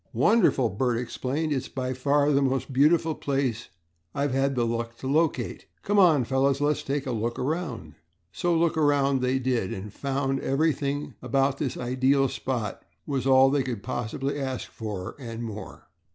"Wonderful!" Bert exclaimed. "It's by far the most beautiful place I've ever had the luck to locate! Come on, fellows, let's take a look around." So look around they did and found that every thing about this ideal spot was all they could possibly ask for and more.